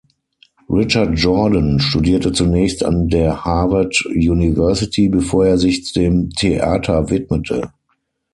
Richard Jordan studierte zunächst an der Harvard University, bevor er sich dem Theater widmete.